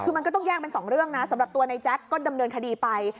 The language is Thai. คือมันก็ต้องแยกเป็นสองเรื่องนะสำหรับตัวในแจ๊คก็ดำเนินคดีไป